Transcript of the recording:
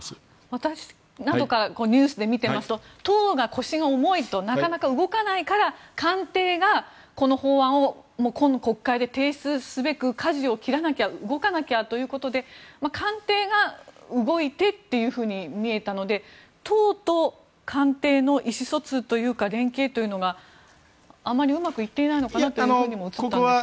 私、何度かニュースで見てますと党の腰が重いとなかなか動かないから官邸が今国会で提出すべくかじを切らなきゃ動かなきゃということで官邸が動いてっていうふうに見えたので党と官邸の意思疎通というか連携というのがあまりうまくいっていないのかなとも私なんかには映ったんですが。